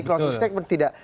closing statement tidak